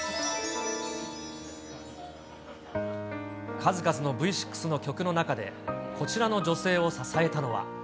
数々のＶ６の曲の中で、こちらの女性を支えたのは。